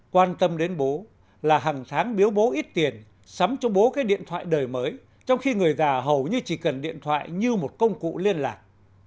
quan tâm đến bố là hàng tháng biếu bố ít tiền sắm cho bố cái điện thoại đời mới trong khi người già hầu như chỉ cần điện thoại như một công cụ liên lạc